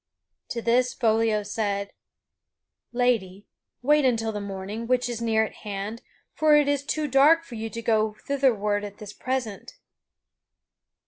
To this Foliot said: "Lady, wait until the morning, which is near at hand, for it is too dark for you to go thitherward at this present."